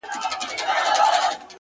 علم د انسان ظرفیت پراخوي’